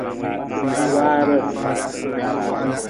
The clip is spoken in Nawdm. Waara.